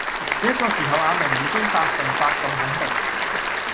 這個時候阿明已經百份百咁肯定